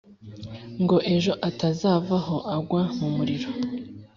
Ngo ejo atazavaho agwa mu muriro!